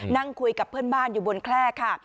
นั่งคุยกับเพื่อนบ้านอยู่บนแคล่ค่ะ